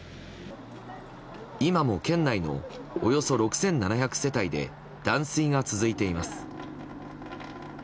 今も県内のおよそ６７００世帯で断水が続いています。